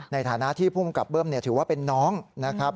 ในฐานะที่ภูมิกับเบิ้มถือว่าเป็นน้องนะครับ